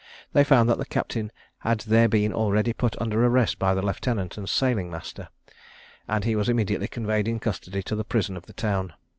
They found that the captain had there been already put under arrest by the lieutenant and sailing master, and he was immediately conveyed in custody to the prison of the town.